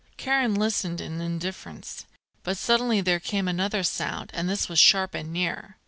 Karen listened in indifference. But suddenly there came another sound and this was sharp and near.